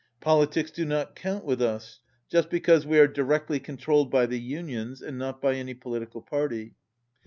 Politics do not count with us, just because we are directly controlled by the Unions, and not by any political party.